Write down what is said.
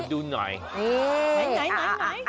ดูหน่อย